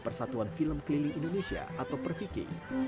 persatuan film keliling indonesia atau perfiki